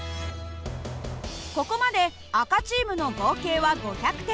ここまで赤チ−ムの合計は５００点。